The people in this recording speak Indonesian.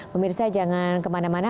pemirsa jangan kemana mana